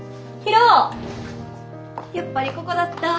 やっぱりここだった。